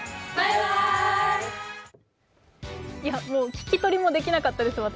聞き取りもできなかったです、私。